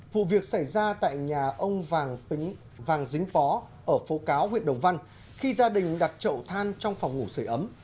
vụ việc xảy ra tại nhà ông vàng dính bó ở phố cáo huyện đồng văn khi gia đình đặt trậu than trong phòng ngủ sợi ấm